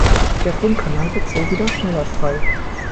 Der Funkkanal wird so wieder schneller frei.